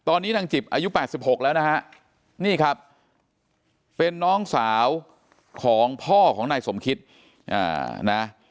ตอนนี้นางจิบอายุ๘๖แล้วนะฮะนี่ครับเป็นน้องสาวของพ่อของนายสมคิดนะ